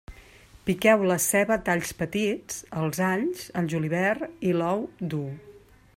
Piqueu la ceba a talls petits, els alls, el julivert i l'ou dur.